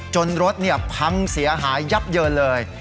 จนรถพังเสียหายับเยอะเลย